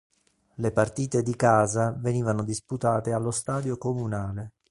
Le partite di casa venivano disputate allo stadio Comunale.